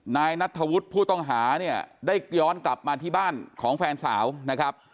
นายนัทธวุฒิผู้ต้องหาเนี่ยได้ย้อนกลับมาที่บ้านของแฟนสาวนะครับ